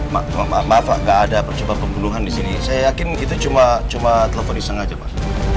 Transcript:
maklumah maaf gak ada percobaan pembunuhan disini saya yakin itu cuma cuma telepon iseng aja pak